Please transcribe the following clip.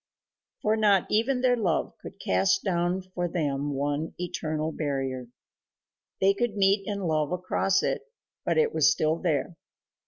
For not even their love could cast down for them one eternal barrier. They could meet and love across it, but it was still there.